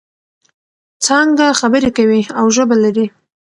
څانګه خبرې کوي او ژبه لري.